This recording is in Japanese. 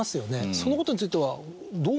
そのことについては。